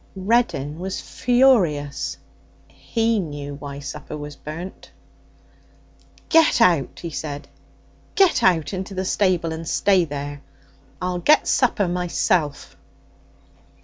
Reddin was furious. He knew why supper was burnt. 'Get out!' he said. 'Get out into the stable and stay there. I'll get supper myself.'